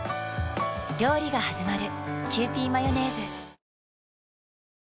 料理がはじまる。